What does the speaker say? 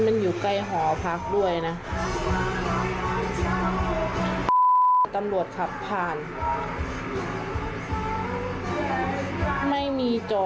มันควรห้ามกันไหม